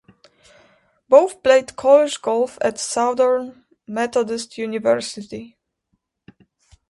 Both played college golf at Southern Methodist University.